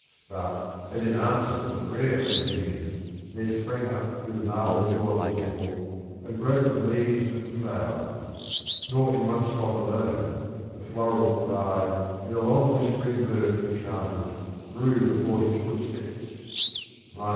But, as in answer to the prayer of Endymion, there sprang up through the marble floor of the temple a growth of leaves and flowers : Nor in one spot alone, the floral pride In a long whispering birth enchanted grew Before his footsteps — (II.